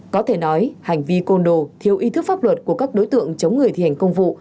có thể nói hành vi côn đồ thiếu ý thức pháp luật của các đối tượng chống người thi hành công vụ